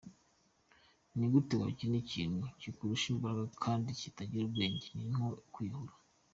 Ni gute wakina n’ikintu kikurusha imbaraga kandi kitagira ubwenge? Ni nko kwiyahura.